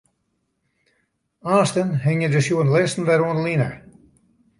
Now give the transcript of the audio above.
Aansten hingje de sjoernalisten wer oan 'e line.